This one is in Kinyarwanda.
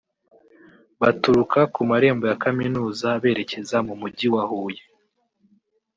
baturuka ku marembo ya Kaminuza berekeza mu Mujyi wa Huye